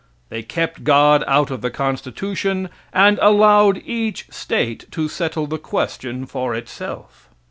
They kept God out of the constitution and allowed each state to settle the question for itself."